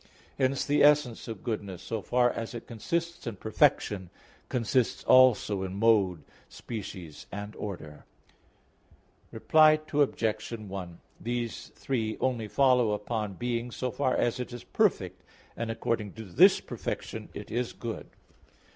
Hence the essence of goodness, so far as it consists in perfection, consists also in mode, species and order. Reply Obj. 1: These three only follow upon being, so far as it is perfect, and according to this perfection is it good.